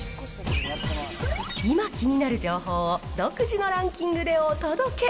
今気になる情報を、独自のランキングでお届け。